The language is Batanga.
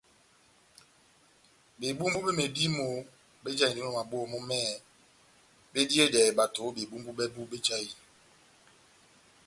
Bebumbu be medímo bejahindi o maboho mɔ mɛhɛpi mediyedɛhɛ bato o bebumbu bɛbu bejahinɔ.